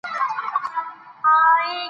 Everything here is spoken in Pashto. افغانۍ زموږ هویت دی.